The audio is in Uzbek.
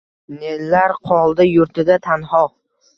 Nelar qoldi yurtida tanho?..